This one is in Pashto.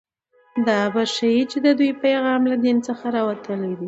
دا به ښيي چې د دوی پیغام له دین څخه راوتلی دی